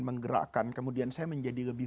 menggerakkan kemudian saya menjadi lebih